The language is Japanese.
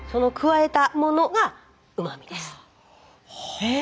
へえ。